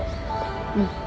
うん。